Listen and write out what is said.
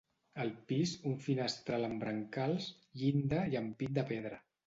Al pis, un finestral amb brancals, llinda i ampit de pedra.